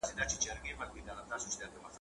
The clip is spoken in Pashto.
پهلوان د منبرونو شین زمری پکښي پیدا کړي `